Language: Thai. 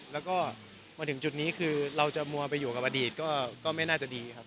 แล้วก็มาถึงจุดนี้คือเราจะมัวไปอยู่กับอดีตก็ไม่น่าจะดีครับ